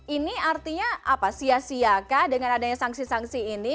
ini artinya apa sia siakah dengan adanya sanksi sanksi ini